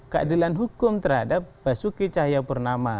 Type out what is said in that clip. keadilan hukum terhadap basuki cahayapurnama